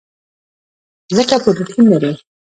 ځکه پروټین لري.